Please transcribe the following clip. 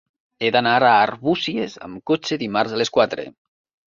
He d'anar a Arbúcies amb cotxe dimarts a les quatre.